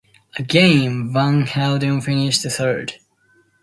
Again, Van Helden finished third.